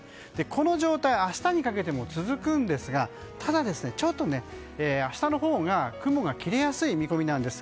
この状態は明日にかけても続くんですがただ、ちょっと明日のほうが雲が切れやすい見込みなんです。